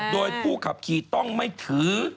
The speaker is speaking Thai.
โดยผู้ขับขี่ต้องไม่ถือ